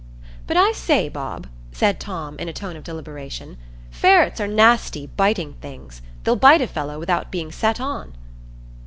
"But, I say, Bob," said Tom, in a tone of deliberation, "ferrets are nasty biting things,—they'll bite a fellow without being set on."